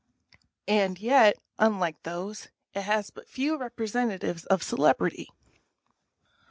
And yet, unlike those, it has but few representatives of celebrity.